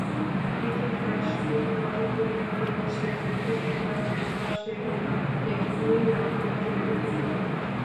ইতিহাসবিদগণ উল্লেখ করেছেন, একদা আকাশে একটি নক্ষত্র উদিত হয়।